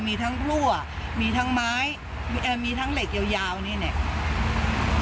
มีทั้งพลั่วมีทั้งไม้มีทั้งเหล็กยาวนี่เนี่ย